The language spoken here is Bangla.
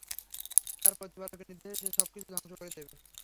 তার প্রতিপালকের নির্দেশে সে সবকিছু ধ্বংস করে দেবে।